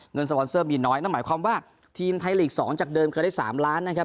สปอนเซอร์มีน้อยนั่นหมายความว่าทีมไทยลีก๒จากเดิมเคยได้๓ล้านนะครับ